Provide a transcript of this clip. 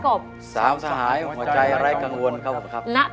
โทษให้